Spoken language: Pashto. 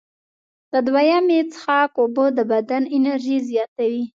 د دویمې څښاک اوبه د بدن انرژي زیاتوي.